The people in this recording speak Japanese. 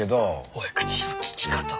おい口の利き方！